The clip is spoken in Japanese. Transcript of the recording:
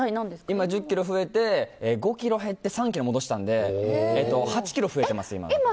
今は１０ｋｇ増えて５ｋｇ減って３ｋｇ戻したので８ｋｇ増えてます。